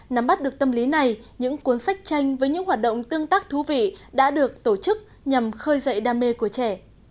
nắm bắt được tâm lý này những cuốn sách tranh với những hoạt động tương tác thú vị đã được tổ chức nhằm khơi dậy đam mê của trẻ